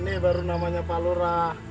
ini baru namanya pak lura